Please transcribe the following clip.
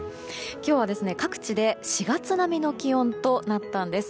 今日は各地で４月並みの気温となったんです。